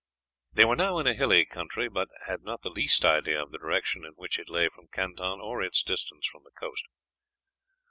They were now in a hilly country, but had not the least idea of the direction in which it lay from Canton or its distance from the coast.